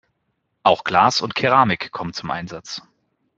Auch Glas und Keramik kommen zum Einsatz.